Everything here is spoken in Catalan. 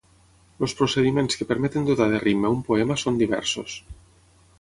Els procediments que permeten dotar de ritme un poema són diversos.